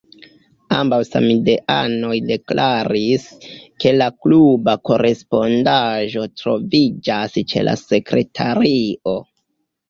Ambaŭ samideanoj deklaris, ke la kluba kore-spondaĵo troviĝas ĉe la sekretario.